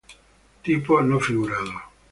Tipo no figurado.